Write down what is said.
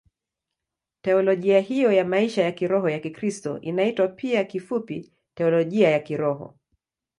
Teolojia hiyo ya maisha ya kiroho ya Kikristo inaitwa pia kifupi Teolojia ya Kiroho.